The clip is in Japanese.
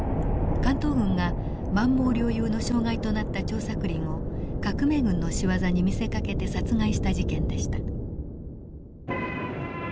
関東軍が満蒙領有の障害となった張作霖を革命軍の仕業に見せかけて殺害した事件でした。